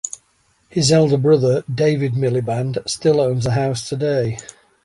His elder brother, David Miliband, still owns the house today.